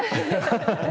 ハハハハ。